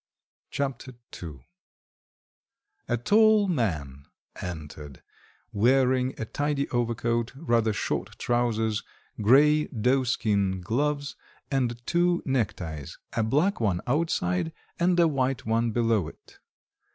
Chapter II A tall man entered, wearing a tidy overcoat, rather short trousers, grey doeskin gloves, and two neckties a black one outside, and a white one below it.